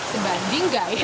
sebanding gak ya